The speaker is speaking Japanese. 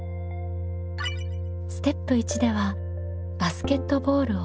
ステップ１ではバスケットボールを「する」